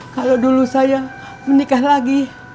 kalau dulu saya menikah lagi